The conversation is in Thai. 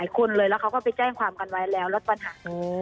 เขาไปแจ้งความกันไว้แล้วแล้วปัญหา